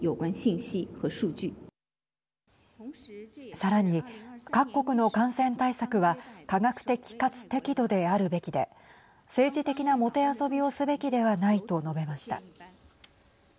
さらに各国の感染対策は科学的かつ適度であるべきで政治的なもてあそびをすべきではないと述べました。